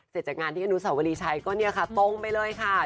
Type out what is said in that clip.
เสร็จจากงานที่อนุสาวรีชัยก็เนี่ยค่ะตรงไปเลยค่ะ